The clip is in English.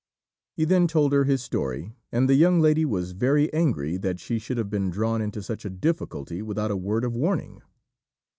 He then told her his story, and the young lady was very angry that she should have been drawn into such a difficulty without a word of warning.